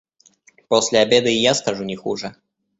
После обеда и я скажу не хуже.